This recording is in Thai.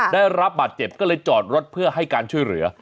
ได้รับบาดเจ็บก็เลยจอดรถเพื่อให้การช่วยเหลือ